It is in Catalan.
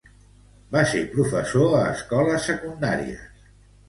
Va ser professor a escoles secundàries.